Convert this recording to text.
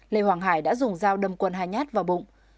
lê hoàng hải đã dùng dao đâm quân hai nhát vào bụng